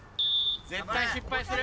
絶対失敗する。